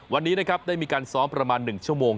วันนี้นะครับได้มีการซ้อมประมาณ๑ชั่วโมง